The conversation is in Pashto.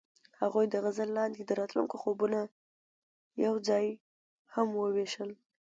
هغوی د غزل لاندې د راتلونکي خوبونه یوځای هم وویشل.